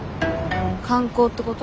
観光ってこと？